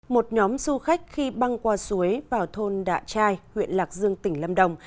một nhóm du khách khi băng qua suối vào thôn đạ trai huyện lạc dương tỉnh lâm đồng